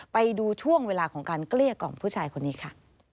ไปดูช่วงเวลาของการเกลี้ยกล่อมผู้ชายคนนี้ค่ะ